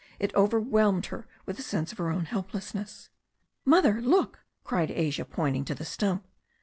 It overwhelmed her with a sense of her own help lessness. "Mother, look!" cried Asia, pointing to the stump.